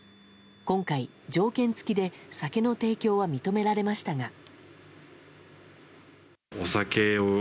今回、条件付きで酒の提供は認められましたが。